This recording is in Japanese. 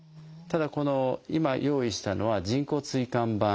ただこの今用意したのは人工椎間板。